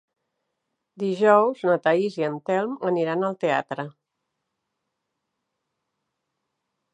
Dijous na Thaís i en Telm aniran al teatre.